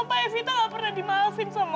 kenapa evita gak pernah dimaafin sama mama